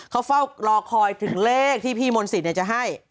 เขาเฝ้ารอคอยถึงเลขที่พี่มนต์สิทธิ์จะให้